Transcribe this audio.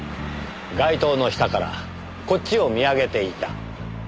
「街灯の下からこっちを見上げていた」